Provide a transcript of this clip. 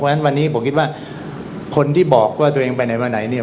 เพราะฉะนั้นวันนี้ผมคิดว่าคนที่บอกว่าตัวเองไปไหนมาไหนเนี่ย